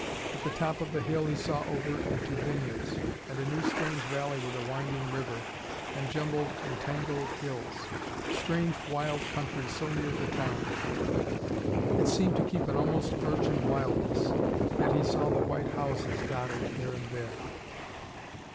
At the top of the hill he saw over into vineyards, and a new strange valley with a winding river, and jumbled, entangled hills. Strange wild country so near the town. It seemed to keep an almost virgin wildness yet he saw the white houses dotted here and there.